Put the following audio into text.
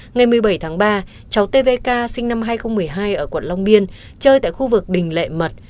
ngày một mươi bảy tháng ba cháu tvk sinh năm hai nghìn một mươi hai ở quận long biên chơi tại khu vực đình lệ mật